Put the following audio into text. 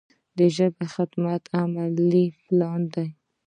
د ژبې خدمت عملي پلان دی.